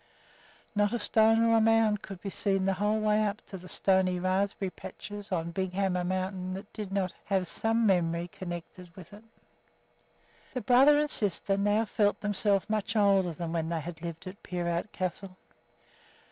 Not a stone or a mound could be seen the whole way up to the stony raspberry patches on Big Hammer Mountain that did not have some memory connected with it. The brother and sister now felt themselves much older than when they had lived at Peerout Castle.